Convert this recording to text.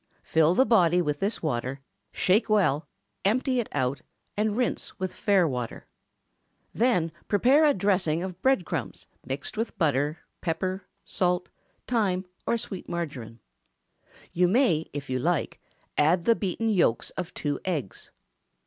Fill the body with this water, shake well, empty it out, and rinse with fair water. Then prepare a dressing of bread crumbs, mixed with butter, pepper, salt, thyme or sweet marjoram. You may, if you like, add the beaten yolks of two eggs.